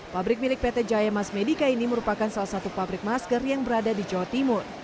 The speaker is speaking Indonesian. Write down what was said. pabrik milik pt jaya mas medica ini merupakan salah satu pabrik masker yang berada di jawa timur